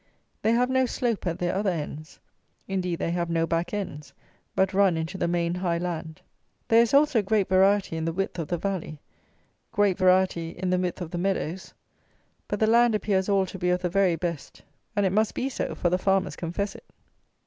They have no slope at their other ends: indeed they have no back ends, but run into the main high land. There is also great variety in the width of the valley; great variety in the width of the meadows; but the land appears all to be of the very best; and it must be so, for the farmers confess it.